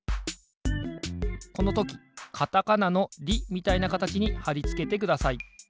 このときカタカナの「リ」みたいなかたちにはりつけてください。